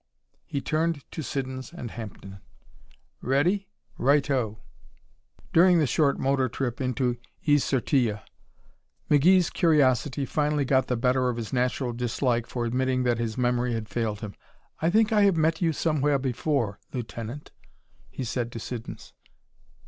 He turned to Siddons and Hampden. "Ready? Right O!" During the short motor trip into Is Sur Tille, McGee's curiosity finally got the better of his natural dislike for admitting that his memory had failed him. "I think I have met you somewhere before, Lieutenant," he said to Siddons.